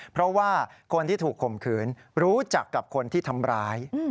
เพราะว่าคนที่ถูกข่มขืนรู้จักกับคนที่ทำร้าย